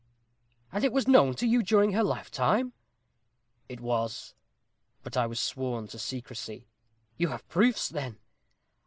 "And it was known to you during her lifetime?" "It was. But I was sworn to secrecy." "You have proofs then?"